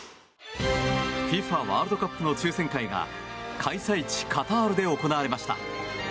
ワールドカップの抽選会が開催地カタールで行われました。